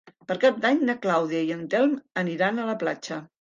Per Cap d'Any na Clàudia i en Telm aniran a la platja.